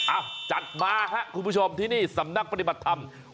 อ่ะจัดมาครับคุณผู้ชมที่นี่สำนักปฏิบัติธรรม